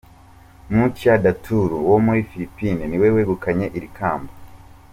Mutya Datul wo muri Philippines ni we wegukanye iri kamba.